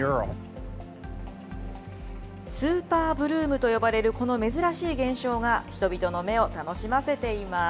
スーパーブルームと呼ばれる、この珍しい現象が、人々の目を楽しませています。